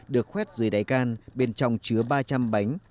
được khoét dưới đáy can bên trong chứa ba trăm linh bánh